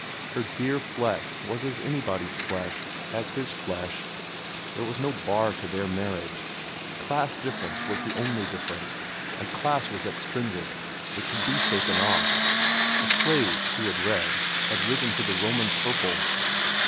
Her dear flesh was as anybody's flesh, as his flesh. There was no bar to their marriage. Class difference was the only difference, and class was extrinsic. It could be shaken off. A slave, he had read, had risen to the Roman purple.